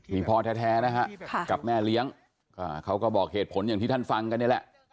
มีพ่อแท้นะฮะกับแม่เลี้ยงเขาก็บอกเหตุผลอย่างที่ท่านฟังกันนี่แหละ